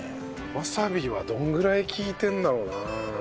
わさびはどんぐらい利いてるんだろうな。